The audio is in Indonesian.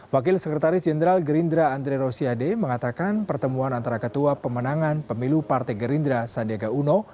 wakil sekretaris jenderal gerindra andre rosiade mengatakan pertemuan antara ketua pemenangan pemilu partai gerindra sandiaga uno